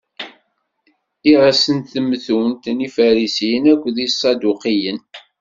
Iɣes n temtunt n Ifarisiyen akked Iṣaduqiyen.